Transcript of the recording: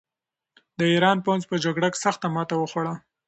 د ایران پوځ په جګړه کې سخته ماته وخوړه.